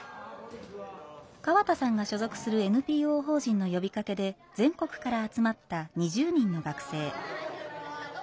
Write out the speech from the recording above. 河田さんが所属するＮＰＯ法人の呼びかけで全国から集まった２０人の学生。